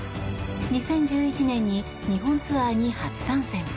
２０１１年に日本ツアーに初参戦。